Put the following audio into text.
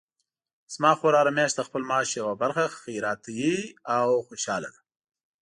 زما خور هره میاشت د خپل معاش یوه برخه خیرات کوي او خوشحاله ده